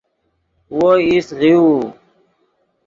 وو ایست غیؤو